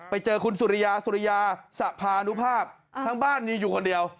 ไปเจอคุณสุริยาสุริยาสะพานุภาพทั้งบ้านมีอยู่คนเดียว